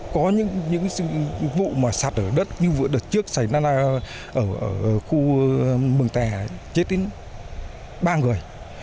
có những vụ mà sạt ở đất như vừa đợt trước xảy ra là ở khu mường tè chết đến ba người